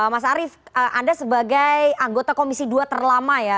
mas arief anda sebagai anggota komisi dua terlama ya